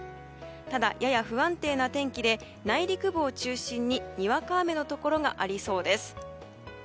ただ、やや不安定な天気で内陸部を中心ににわか雨のところがありそうです。